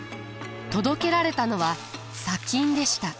届けられたのは砂金でした。